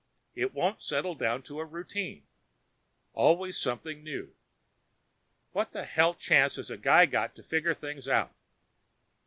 It won't settle down to a routine. Always something new. What the hell chance has a guy got to figure things out?